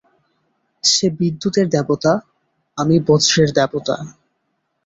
সে বিদ্যুতের দেবতা, আাম বজ্রের দেবতা।